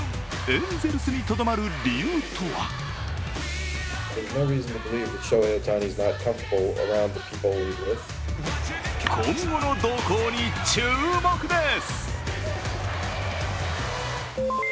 エンゼルスにとどまる理由とは今後の動向に注目です。